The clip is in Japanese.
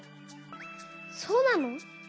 そうなの？